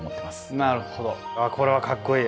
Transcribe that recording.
なるほどこれはかっこいい。